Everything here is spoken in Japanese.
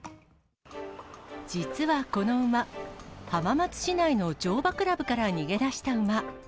実はこの馬、浜松市内の乗馬クラブから逃げ出した馬。